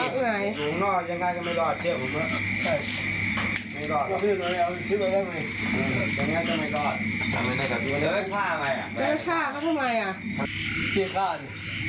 อ๋อนี่มีคนที่ตามจับ